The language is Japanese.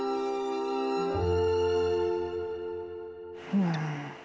うん。